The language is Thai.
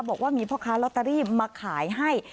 บอกว่ามีพ่อค้าลอตเตอรี่มาขายให้